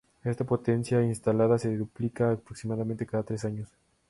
Esta potencia instalada se duplica aproximadamente cada tres años.